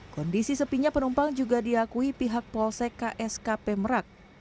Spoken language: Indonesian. kondisi sepinya penumpang juga diakui pihak polsek kskp merak